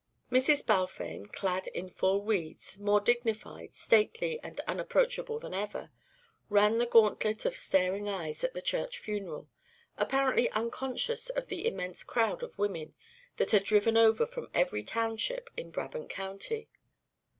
Mrs. Balfame, clad in full weeds, more dignified, stately and unapproachable than ever, ran the gauntlet of staring eyes at the church funeral, apparently unconscious of the immense crowd of women that had driven over from every township in Brabant County.